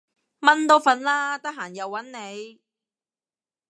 蚊都瞓喇，得閒又搵你